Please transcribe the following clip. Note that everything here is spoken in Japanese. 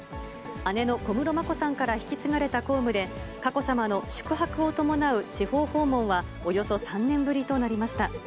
姉の小室眞子さんから引き継がれた公務で、佳子さまの宿泊を伴う地方訪問は、およそ３年ぶりとなりました。